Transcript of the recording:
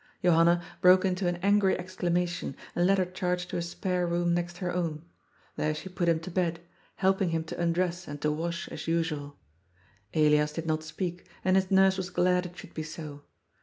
Johanna broke into an angry exclamation, and led her charge to a spare room next her own. There she put him to bed, helping him to undress and to wash as usual. Elias did not speak, and his nurse was glad it should be so.